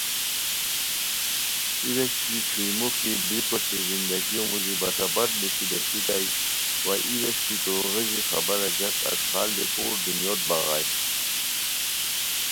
ای ویݰکی چھوئی موخی بریک اوچے زندگیو موژی بٹا بٹ نیسی بہچیتائے وا ای ویݰکی تو غیژی خبارہ گیاک اݱغال دی خور دنیوت بغائے